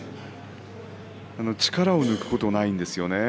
力を抜くことがないんですね。